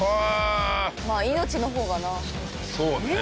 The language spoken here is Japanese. まあ命の方がな。そうね。